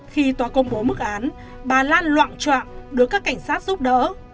khi tòa công bố mức án bà lan loạn trọng đối với các cảnh sát giúp đỡ